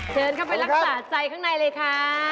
เชิญเข้าไปรักษาใจข้างในเลยค่ะ